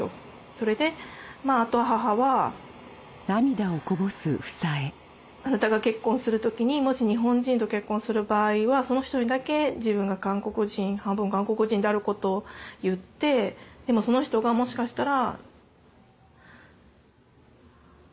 それであと母は「あなたが結婚する時にもし日本人と結婚する場合はその人にだけ自分が半分韓国人であることを言ってでもその人がもしかしたら」。